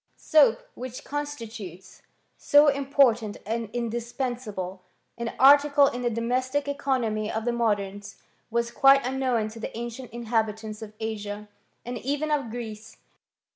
Soap, which constitutes so important and indis pensable an article in the domestic economy of the modems, was quite unknown to the ancient inhabitants of Asia, and even of Greece.